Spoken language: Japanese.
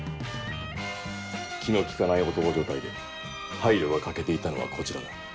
気の利かない男所帯で配慮が欠けていたのはこちらだ。